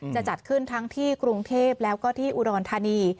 จะจัดขึ้นทั้งที่กรุงเทพแล้วก็ที่อุดรธานี